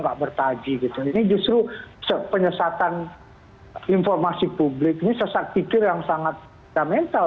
pak bertaji gitu ini justru penyesatan informasi publik ini sesak pikir yang sangat fundamental